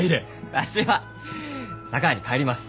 わしは佐川に帰ります。